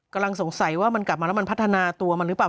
กำลังสงสัยว่ามันกลับมาแล้วมันพัฒนาตัวมันหรือเปล่า